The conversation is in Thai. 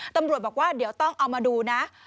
ตำรวจบอกว่าเดี๋ยวต้องเอามาดูนะ